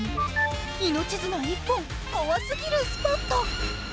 命綱１本、怖すぎるスポット。